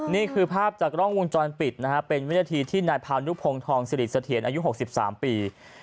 นี่คือภาพจากกล้องวงจรปิดนะฮะเป็นวินาทีที่นายพานุพงศ์ทองสิริเสถียรอายุ๖๓ปี